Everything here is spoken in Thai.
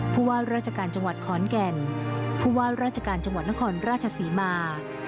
ผู้ว่าราชการจังหวัดขอนแก่นผู้ว่าราชการจังหวัดนครราชศรีมา